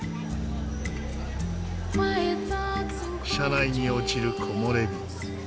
車内に落ちる木漏れ日。